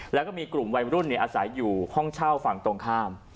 แล้วก็มีกลุ่มวัยรุ่นอาศัยอยู่ห้องเช่าฝั่งตรงข้าม